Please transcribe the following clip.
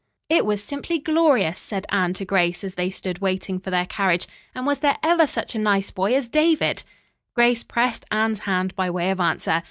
"It was simply glorious," said Anne to Grace as they stood waiting for their carriage, "and was there ever such a nice boy as David!" Grace pressed Anne's hand by way of answer.